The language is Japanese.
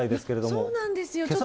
そうなんですよ。